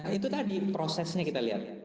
itu tadi prosesnya kita lihat